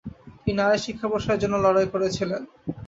তিনি নারী শিক্ষার প্রসারের জন্য লড়াই করেছিলেন।